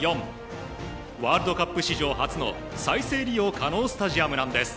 ワールドカップ史上初の再生利用可能スタジアムなんです。